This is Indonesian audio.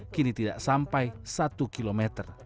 kini tidak sampai satu km